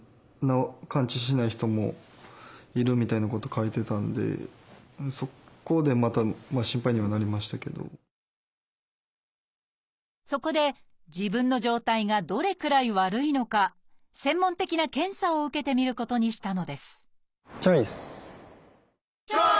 ネットでそこでまたそこで自分の状態がどれくらい悪いのか専門的な検査を受けてみることにしたのですチョイス！